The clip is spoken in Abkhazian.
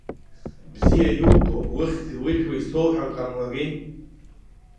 Бзиа иубо лыхьӡи лыжәлеи соуҳәар ҟамлари?